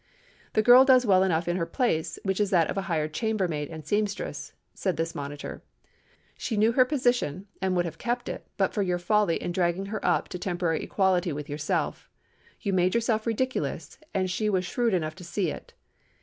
"'The girl does well enough in her place, which is that of a hired chambermaid and seamstress,' said this monitor. 'She knew her position, and would have kept it, but for your folly in dragging her up to temporary equality with yourself. You made yourself ridiculous, and she was shrewd enough to see it.